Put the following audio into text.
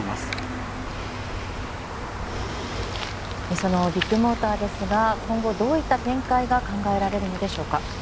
そのビッグモーターですが今後、どういった展開が考えられるのでしょうか。